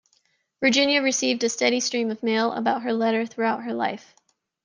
Virginia received a steady stream of mail about her letter throughout her life.